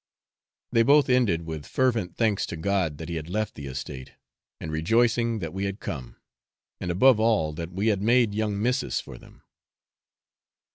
They both ended with fervent thanks to God that he had left the estate, and rejoicing that we had come, and, above all, that we 'had made young missis for them.'